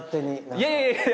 いやいやいや。